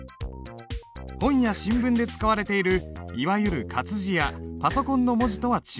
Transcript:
本や新聞で使われているいわゆる活字やパソコンの文字とは違う。